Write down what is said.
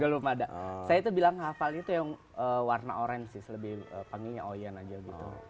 belum ada saya itu bilang hafal itu yang warna orange sih lebih panggilnya oyen aja gitu